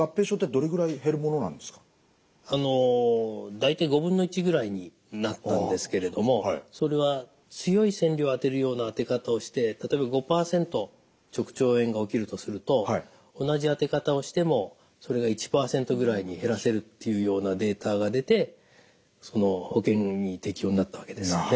大体５分の１ぐらいになったんですけれどもそれは強い線量を当てるような当て方をして例えば５％直腸炎が起きるとすると同じ当て方をしてもそれが１％ぐらいに減らせるっていうようなデータが出て保険に適用になったわけですね。